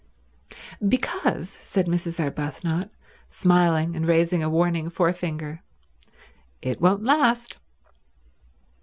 "Because," said Mrs. Arbuthnot, smiling and raising a warning forefinger, "it won't last."